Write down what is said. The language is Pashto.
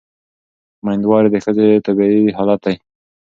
مېندواري د ښځې طبیعي حالت دی.